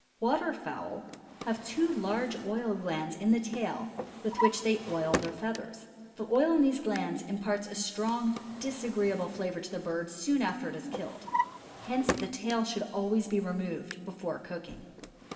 Waterfowl have two large oil glands in the tail, with which they oil their feathers. The oil in these glands imparts a strong, disagreeable flavor to the bird soon after it is killed. Hence the tail should always be removed before cooking.